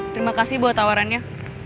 terima kasih buat tawarannya